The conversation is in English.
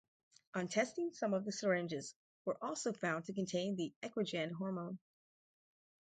On testing some of the syringes were also found to contain the EquiGen hormone.